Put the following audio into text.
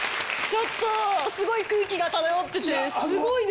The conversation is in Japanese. ちょっとすごい空気が漂っててすごいですね。